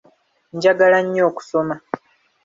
Njagala nyo okusoma.